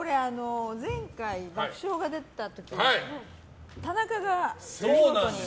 前回、爆笑が出た時に田中が見事に。